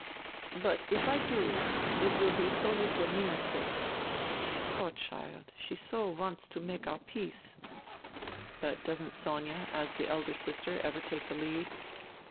" But if I do, it will be solely for Nina's sake. Poor child, she so wants to make our peace." " But doesn't Sonia, as the eldest sister, ever take the lead